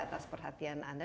atas perhatian anda